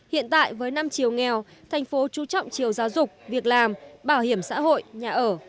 hiện tại với năm chiều nghèo thành phố chú trọng chiều giáo dục việc làm bảo hiểm xã hội nhà ở